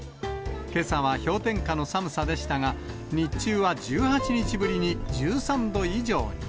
けさは氷点下の寒さでしたが、日中は１８日ぶりに１３度以上に。